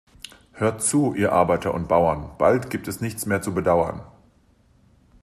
Hört zu, ihr Arbeiter und Bauern, bald gibt es nichts mehr zu bedauern.